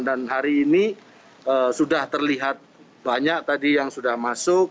dan hari ini sudah terlihat banyak tadi yang sudah masuk